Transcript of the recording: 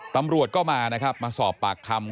ตำรวจก็มามาสอบปากคำ